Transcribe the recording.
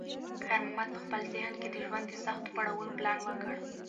خیر محمد په خپل ذهن کې د ژوند د سختو پړاوونو پلان وکړ.